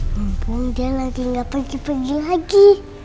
mumpung dia lagi gak pergi pergi lagi